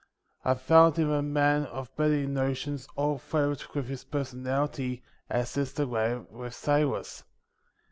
I found him a man of many notions all flavoured with his personality, as is the way with sailors.